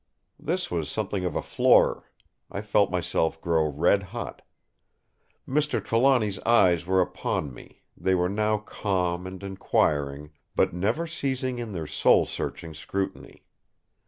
This was something of a floorer; I felt myself grow red hot. Mr. Trelawny's eyes were upon me; they were now calm and inquiring, but never ceasing in their soul searching scrutiny.